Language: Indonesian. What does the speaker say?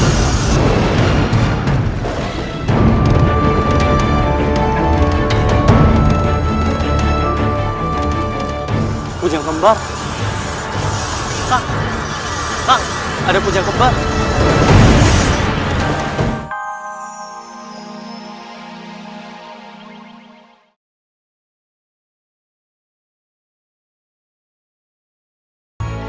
ada kucing kembar